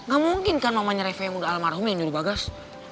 gak mungkin kan mamanya reva yang muda almarhum yang nyuruh bagas